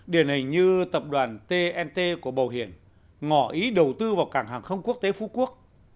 điển hình như tập đoàn tnt của bảo hiểm ngỏ ý đầu tư vào cảng hàng không quốc tế phú quốc